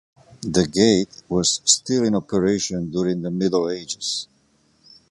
The gate was still in operation during the Middle Ages.